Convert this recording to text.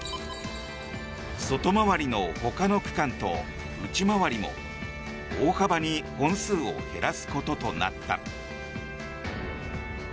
外回りのほかの区間と内回りも大幅に本数を減らすこととなった。